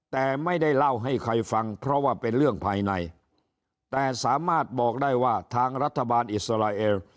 แต่ไม่ได้เล่าให้ใครฟังเพราะว่าเป็นเรื่องภายในแต่สามารถบอกได้ว่าทางรัฐบาลอิสราเอล